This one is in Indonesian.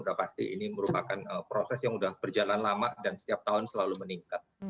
sudah pasti ini merupakan proses yang sudah berjalan lama dan setiap tahun selalu meningkat